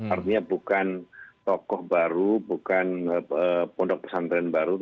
artinya bukan tokoh baru bukan pondok pesantren baru